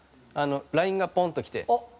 ＬＩＮＥがポンッときて。